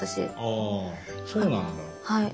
あそうなんだ。